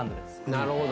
なるほど！